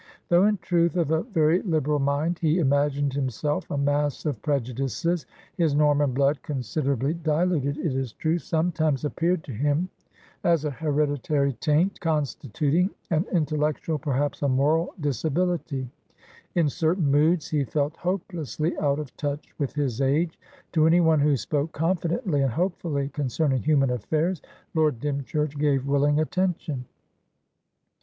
Though in truth of a very liberal mind, he imagined himself a mass of prejudices; his Norman blood (considerably diluted, it is true) sometimes appeared to him as a hereditary taint, constituting an intellectual, perhaps a moral, disability; in certain moods he felt hopelessly out of touch with his age. To anyone who spoke confidently and hopefully concerning human affairs, Lord Dymchurch gave willing attention.